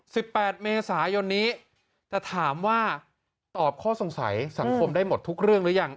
แปดเมษายนนี้แต่ถามว่าตอบข้อสงสัยสังคมได้หมดทุกเรื่องหรือยัง